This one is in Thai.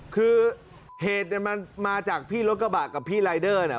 คือเหตุเนี่ยมันมาจากพี่รถกระบะกับพี่รายเดอร์เนี่ย